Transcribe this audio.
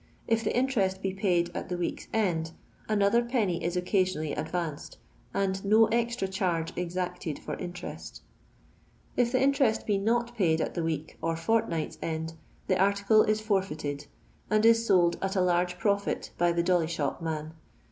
If the interest be paid at the week's end, another l(i. is occasionally advanced, and no extra charge exacted for interest If the interest be not paid at the week or fortnight's end, the article is forfeited, and is sold at a larse profit by the dolly shop man.